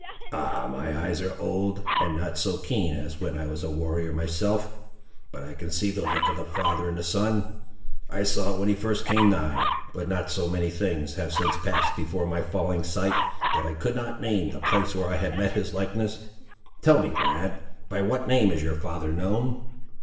"Ah my eyes are old, and not so keen as when I was a warrior myself; but I can see the look of the father in the son! I saw it when he first came nigh, but so many things have since passed before my failing sight, that I could not name the place where I had met his likeness! Tell me, lad, by what name is your father known?"